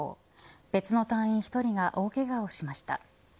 別の隊員１人が大けがをしました。